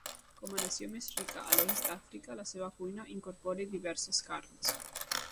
Com a nació més rica a l'oest d'Àfrica, la seva cuina incorpora diverses carns.